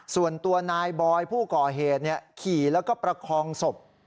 ส่วนตัวนายบอยผู้ก่อเหตุขี่แล้วก็ประคองศพ